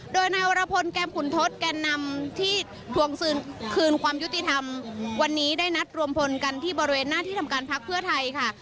โดยนายวรพลแก้มขุนทศแก่นำที่ทวงคืนความยุติธรรมวันนี้ได้นัดรวมพลกันที่บริเวณหน้าที่ทำการพักเพื่อไทยค่ะ